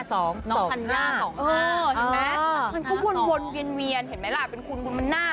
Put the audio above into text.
เห็นไหมอ่ะมันคุ้นวนเวียนเห็นไหมละ